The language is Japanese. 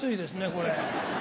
これ。